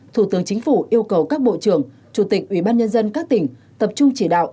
thủ tướng chính phủ yêu cầu các bộ trưởng chủ tịch ubnd các tỉnh tập trung chỉ đạo